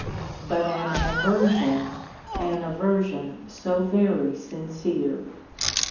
But an aversion an aversion so very sincere!